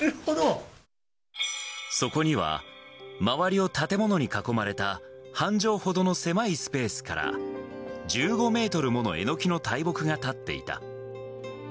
そこには、周りを建物に囲まれた半畳ほどの狭いスペースから、１５メートルものエノキの大木が立っていた。